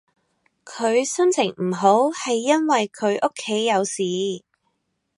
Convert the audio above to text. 佢心情唔好係因為佢屋企有事